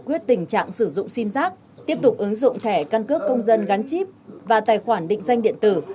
giải quyết tình trạng sử dụng sim giác tiếp tục ứng dụng thẻ căn cước công dân gắn chip và tài khoản định danh điện tử